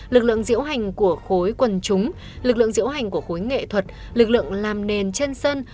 lực lượng diễu hành của khối quần chúng lực lượng diễu hành của khối nghệ thuật lực lượng làm nền trên sân